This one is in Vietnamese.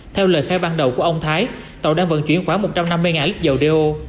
theo lời khai ban đầu của ông thái tàu đang vận chuyển khoảng một trăm năm mươi lít dầu đeo